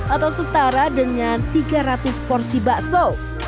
atau setara dengan tiga ratus porsi bakso